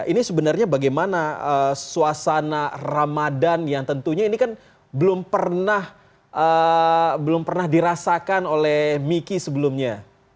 ini sebenarnya bagaimana suasana ramadan yang tentunya ini kan belum pernah dirasakan oleh miki sebelumnya